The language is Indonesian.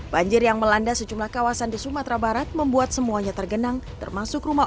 banjir yang melanda sejumlah kawasan di sumatera barat membuat semuanya tergenang termasuk rumah